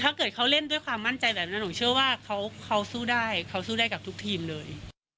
ถ้าเกิดเขาเล่นด้วยความมั่นใจแบบนั้นหนูเชื่อว่าเขาสู้ได้เขาสู้ได้กับทุกทีมเลย